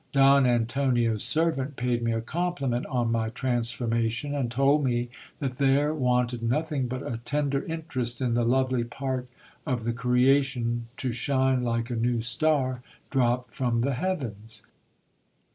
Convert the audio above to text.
Don Antonio's servant paid me a compliment on my transformation, and told me that there wanted nothing but a tender interest in the lovely part of the creation to shine like a new star dropped from the hea vens.